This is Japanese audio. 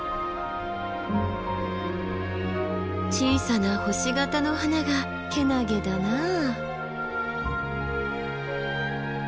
小さな星形の花がけなげだなあ。